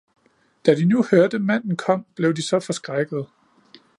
Da de nu hørte manden kom, blev de så forskrækkede.